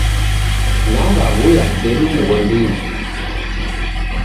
Naw'aw'uya kedu mghondinyi.